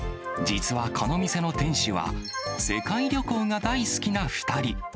実はこの店の店主は、世界旅行が大好きな２人。